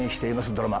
ドラマ